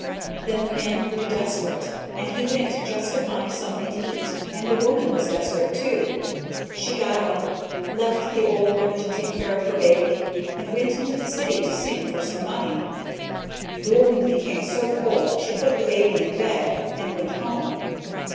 Then the man grew desperate and he went just to find something to eat and the woman was desperate, too. She got up, left the old woman to take care of her baby, and went into the city to sing for some money. The woman became so cold she put the baby in bed and went home.